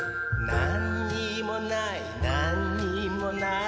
なんにもないなんにもない